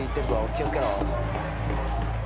気を付けろ。